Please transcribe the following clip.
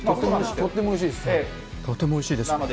とってもおいしいです。